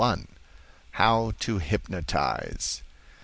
HOW TO HYPNOTIZE.